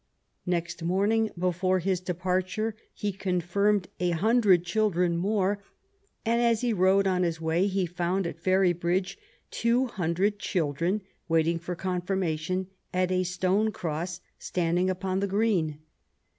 Next morning before his departure he con firmed a hundred children more ; and as he rode on his way he found at Ferrybridge two hundred children wait ing for confirmation at a stone cross standing upon the green.